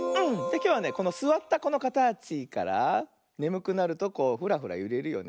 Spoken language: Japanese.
きょうはねこのすわったこのかたちからねむくなるとこうフラフラゆれるよね。